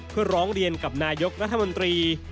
เพื่อร้องเรียนกับนายกรัฐมนตรี